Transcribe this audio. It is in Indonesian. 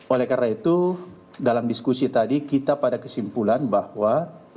oleh karena itu dalam diskusi tadi kita pada kesimpulan bahwa